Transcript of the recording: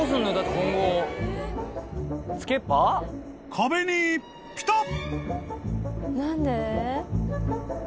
［壁にピタッ！］